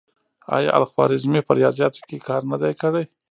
آیا الخوارزمي په ریاضیاتو کې کار نه دی کړی؟